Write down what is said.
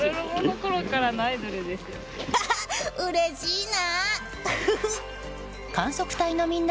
うれしいな！